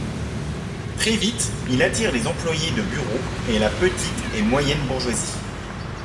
Très vite, il attire les employées de bureaux et la petite et moyenne bourgeoisie.